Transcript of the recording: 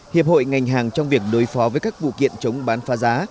hiệp hội ngành hàng trong việc đối phó với các vụ kiện chống bán phá giá